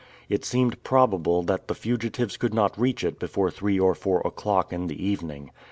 It seemed probable that the fugitives could not reach it before three or four o'clock in the evening.